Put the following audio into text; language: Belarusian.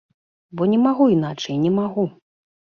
Бо не магу іначай, не магу.